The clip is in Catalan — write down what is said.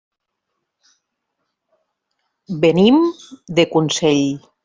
Venim de Consell.